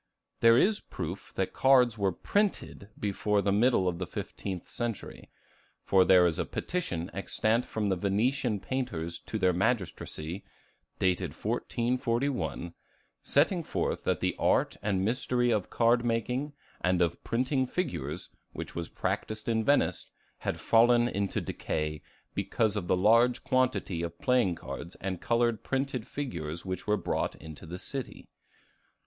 There is proof that cards were printed before the middle of the fifteenth century; for there is a petition extant from the Venetian painters to their magistracy, dated 1441, setting forth that the art and mystery of card making and of printing figures, which was practiced in Venice, had fallen into decay, because of the large quantity of playing cards and colored printed figures which were brought into the city.